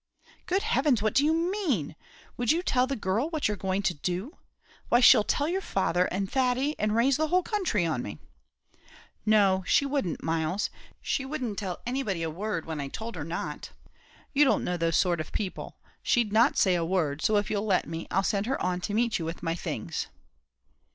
"Good heavens! what do you mean! would you tell the girl what you're going to do? Why she'll tell your father, and Thady, and raise the whole country on me." "No, she wouldn't, Myles; she wouldn't tell anybody a word, when I told her not. You don't know those sort of people; she'd not say a word; so if you'll let me, I'll send her on to meet you with my things."